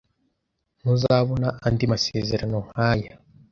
Ntuzabona andi masezerano nkaya.